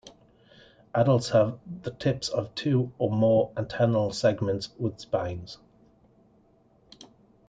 Adults have the tips of two or more antennal segments with spines.